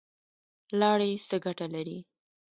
لاړې څه ګټه لري؟